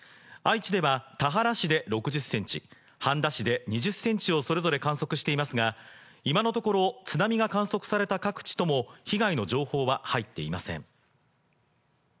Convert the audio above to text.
愛知では田原市で６０ｃｍ、半田市で２０ｃｍをそれぞれ観測していますが、今のところ津波が観測された各地とも被害の情報は入っていません。